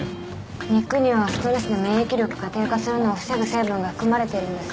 肉にはストレスで免疫力が低下するのを防ぐ成分が含まれているんです。